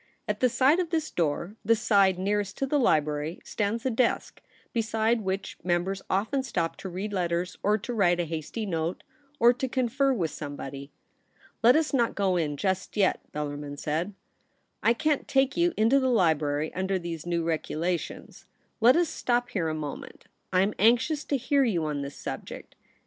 At the side of this door, the side nearest to the library, stands a desk, beside which members often stop to read letters or to write a hasty note, or to confer with some body. ' Let us not go in just yet,' Bellarmin said; ■" I can't take you Into the library under these new regulations. Let us stop here a moment. I am anxious to hear you on this subject.'